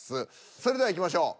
それではいきましょう。